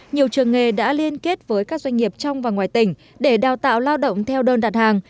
nhiều trường nghề đã liên kết với các doanh nghiệp trong và ngoài tỉnh để đào tạo lao động theo đơn đặt hàng